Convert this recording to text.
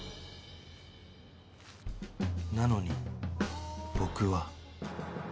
なのに僕は